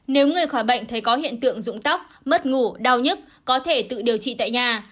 nếu người khỏi bệnh thấy có hiện tượng dụng tóc mất ngủ đau nhức có thể tự điều trị tại nhà